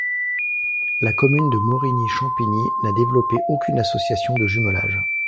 La commune de Morigny-Champigny n'a développé aucune association de jumelage.